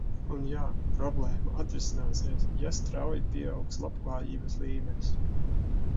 Un, jā, problēma atrisināsies, ja strauji pieaugs labklājības līmenis.